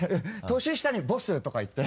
年下に「ボス」とか言って。